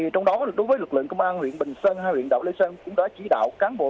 trong đó đối với lực lượng công an huyện bình sơn hay huyện đảo lê sơn cũng đã chỉ đạo cán bộ